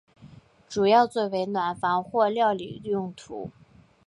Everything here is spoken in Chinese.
主要作为暖房或料理用途。